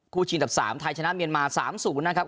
คู่จิงดับสามไทยชนะเมียนมาสามศูนย์นะครับ